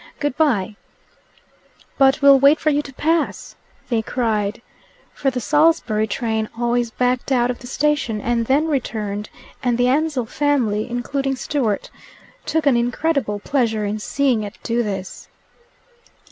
Good bye!" "But we'll wait for you to pass," they cried. For the Salisbury train always backed out of the station and then returned, and the Ansell family, including Stewart, took an incredible pleasure in seeing it do this.